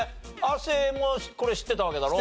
亜生もこれ知ってたわけだろ？